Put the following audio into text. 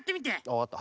わかった。